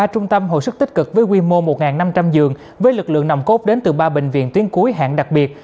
ba trung tâm hồi sức tích cực với quy mô một năm trăm linh giường với lực lượng nồng cốt đến từ ba bệnh viện tuyến cuối hạn đặc biệt